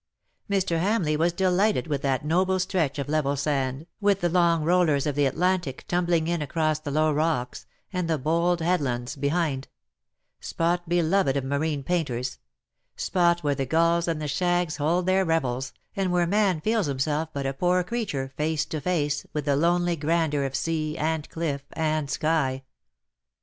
Mr. Hamleigh was de lighted with that noble stretch of level sand, with the long rollers of the Atlantic tumbling in across the low rocks, and the bold headlands behind — spot beloved of marine painters — spot where the "tintagel, half in sea, and half on land." 91 gulls and the shags hold their revels, and where man feels himself but a poor creature face to face with the lonely grandeur of sea, and cliff, and sky.